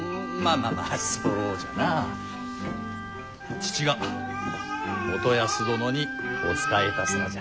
父が元康殿にお仕えいたすのじゃ。